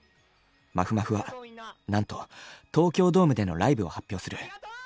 まふまふはなんと東京ドームでのライブを発表する。